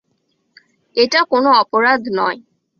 এটা কোন অপরাধ নয়!